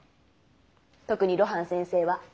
特に露伴先生は。